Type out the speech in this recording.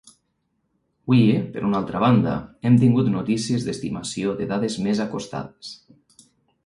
Avui, per una altra banda, hem tingut notícies d’estimacions de dades més acostades.